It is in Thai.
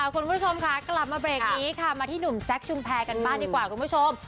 คุณผู้ชมค่ะกลับมาเบรกนี้ค่ะมาที่หนุ่มแซคชุมแพรกันบ้างดีกว่าคุณผู้ชม